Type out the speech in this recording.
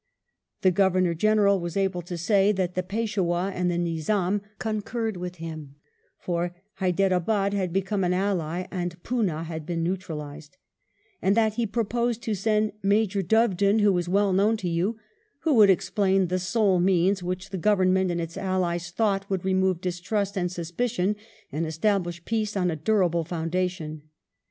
The Governor General was able to say that the Peishwah and the Nizam concurred with him — for Hyderabad had become an ally and Poonah had been neutralised — and that he proposed to send "Major Doveton, who is well known to you," who would explain the " sole means " which the Govern ment and its allies thought would remove distrust and suspicion and establish peace on a durable foundation.